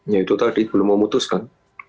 ya itu tadi belum memutuskan